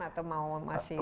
atau mau masih